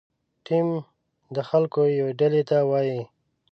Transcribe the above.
ټیم د خلکو یوې ډلې ته وایي.